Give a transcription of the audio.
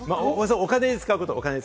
お金で使うこと。